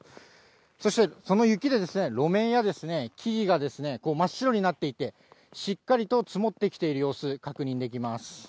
そしてその雪で、路面や木々が真っ白になっていて、しっかりと積もってきている様子、確認できます。